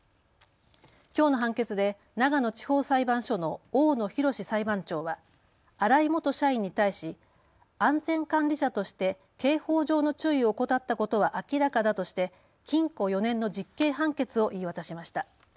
きょうの判決で長野地方裁判所の大野洋裁判長は荒井元社員に対し安全管理者として刑法上の注意を怠ったことは明らかだとして禁錮４年の実刑判決を言い渡しました。